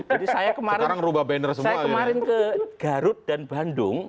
jadi saya kemarin ke garut dan bandung